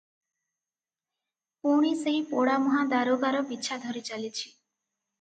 ପୁଣି ସେହି ପୋଡ଼ାମୁହାଁ ଦାରୋଗାର ପିଛା ଧରି ଚାଲିଛି ।